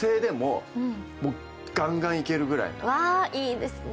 うわいいですね。